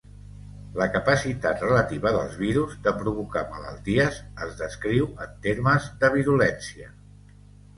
La capacitat relativa dels virus de provocar malalties es descriu en termes de virulència.